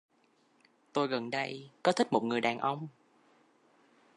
Tôi gần đây có thích một người đàn ông